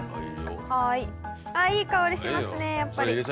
はいあっいい香りしますねやっぱり。